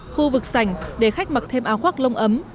khu vực sành để khách mặc thêm áo khoác lông ấm